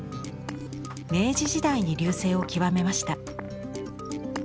明治時代に隆盛を極めました。